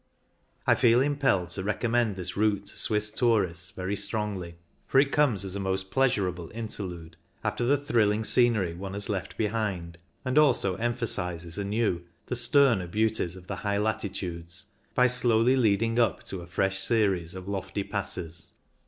I feel impelled to recommend this route to Swiss tourists very strongly, for it comes as a most pleasurable interlude after the thrilling scenery one has left be hind, and also emphasises anew the sterner beauties of the high latitudes by slowly leading up to a fresh series of lofty passes.